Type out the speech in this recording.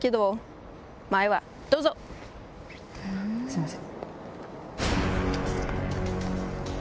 すいません。